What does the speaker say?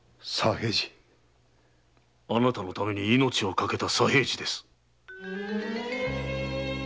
あなたのために命を賭けた左平次です。